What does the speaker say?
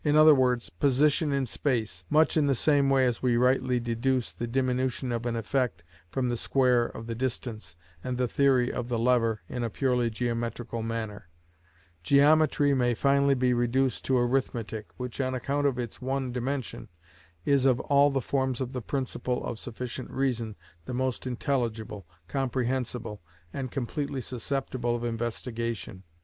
e._, position in space (much in the same way as we rightly deduce the diminution of an effect from the square of the distance, and the theory of the lever in a purely geometrical manner): geometry may finally be reduced to arithmetic, which, on account of its one dimension, is of all the forms of the principle of sufficient reason, the most intelligible, comprehensible, and completely susceptible of investigation.